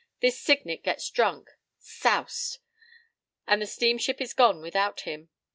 This Signet gets drunk. 'Soused!' And the steamship is gone without him.